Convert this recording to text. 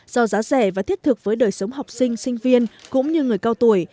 do giá rẻ và thiết thực với đời sống học sinh sinh viên cũng như người cao tuổi